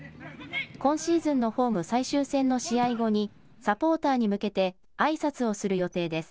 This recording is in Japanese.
今シーズンのホーム最終戦の試合後にサポーターに向けてあいさつをする予定です。